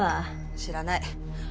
知らない。